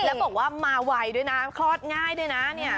แล้วบอกว่ามาไวด้วยนะคลอดง่ายด้วยนะเนี่ย